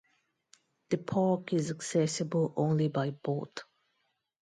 The park is accessible only by boat.